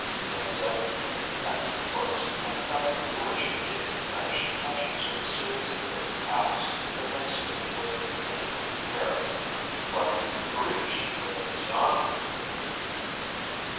The insect next works at the cover, to which it gives the finishing touches with a series of little taps, administered with infinite care, while the breach remains yawning.